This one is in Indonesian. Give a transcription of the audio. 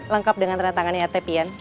lengkap dengan tandatangannya prt pian